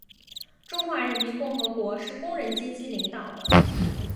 中华人民共和国是工人阶级领导的